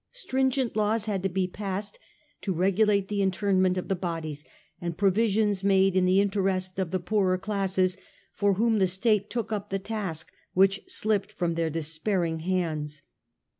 Stringent laws had to be passed to regulate the interment of the bodies, and provisions made in the in terest of the poorer classes, for whom the state took up the task which slipped from their despairing hands.